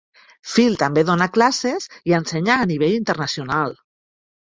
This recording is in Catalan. Phil també dóna classes i ensenya a nivell internacional.